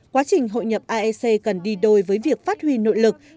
quá trình hội nhập aec cần đi đôi với việc phát huy nội lực